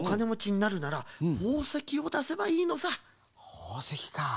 ほうせきか。